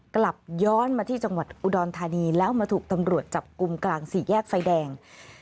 กลับย้อนมาที่จังหวัดอุดรธานีแล้วมาถูกตำรวจจับกลุ่มกลางสี่แยกไฟแดง